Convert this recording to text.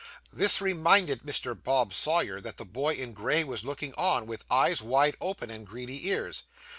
This reminded Mr. Bob Sawyer that the boy in gray was looking on, with eyes wide open, and greedy ears.